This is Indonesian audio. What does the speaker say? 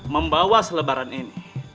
membawa selebaran ini